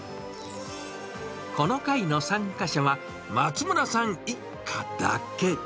この回の参加者は、松村さん一家だけ。